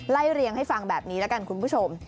เรียงให้ฟังแบบนี้แล้วกันคุณผู้ชม